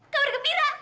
kamu udah gembira